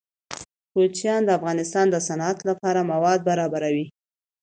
کوچیان د افغانستان د صنعت لپاره مواد برابروي.